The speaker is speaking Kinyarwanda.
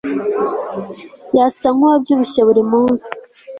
Yasa nkuwabyibushye burimunsi